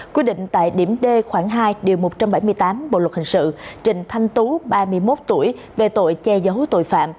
quy định tại điểm d khoảng hai điều một trăm bảy mươi tám bộ luật hình sự trình thanh tú ba mươi một tuổi về tội che giấu tội phạm